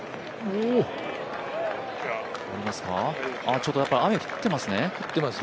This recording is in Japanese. ちょっと雨降ってますね。